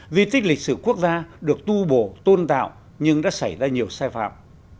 di tích lịch sử quốc gia được tu bổ tôn tạo nhưng đã xảy ra nhiều sai phạm